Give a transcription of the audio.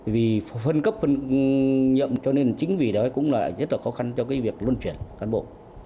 vì phân cấp phân nhậm cho nên chính vì đó cũng là rất là khó khăn cho cái việc luân chuyển cán bộ